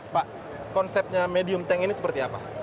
pak konsepnya medium tank ini seperti apa